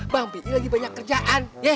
bang piti lagi banyak kerjaan